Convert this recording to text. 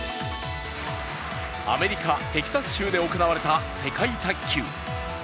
アメリカ・テキサス州で行われた世界卓球。